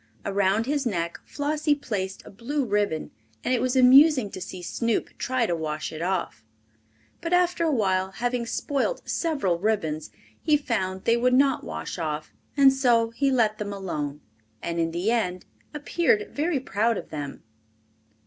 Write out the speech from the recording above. Around his neck Flossie placed a blue ribbon, and it was amusing to see Snoop try to wash it off. But after a while, having spoilt several ribbons, he found they would not wash off, and so he let them alone, and in the end appeared very proud of them.